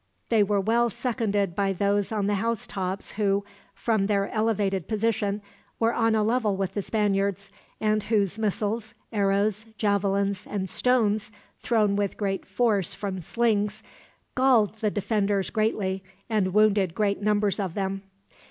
They were well seconded by those on the housetops who, from their elevated position, were on a level with the Spaniards; and whose missiles, arrows, javelins, and stones thrown with great force from slings, galled the defenders greatly, and wounded great numbers of them.